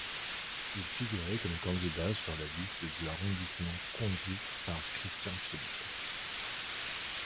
Il figurait comme candidat sur la liste du Arrondissement conduite par Christian Philip.